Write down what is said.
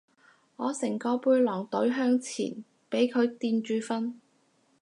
我成個背囊隊咗向前俾佢墊住瞓